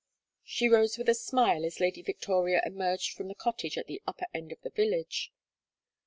She rose with a smile as Lady Victoria emerged from the cottage at the upper end of the village.